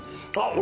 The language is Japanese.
俺